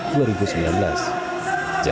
dan launching jersey ini agak beda ya